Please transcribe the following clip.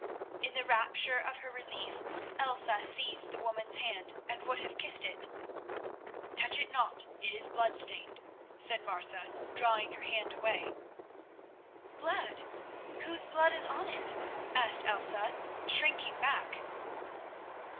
In the rapture of her relief Elsa seized the woman's hand, and would have kissed it. "Touch it not, it is bloodstained," said Martha, drawing her hand away. "Blood? Whose blood is on it?" asked Elsa, shrinking back.